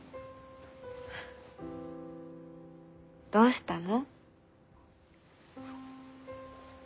どうしたの？